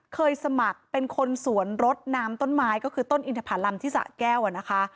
เคยสมัครเป็นคนสวนรถน้ำต้นไม้ก็คือต้นอินทภารำที่สะแก้วนะคะ